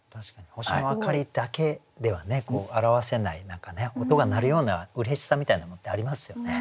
星の明かりだけでは表せない何か音が鳴るようなうれしさみたいなものってありますよね。